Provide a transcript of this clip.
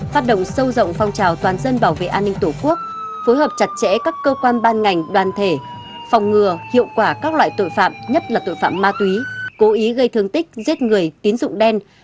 phát động sâu rộng phong trào toàn dân bảo vệ an ninh tổ quốc phối hợp chặt chẽ các cơ quan ban ngành đoàn thể phòng ngừa hiệu quả các loại tội phạm nhất là tội phạm ma túy cố ý gây thương tích giết người tín dụng đen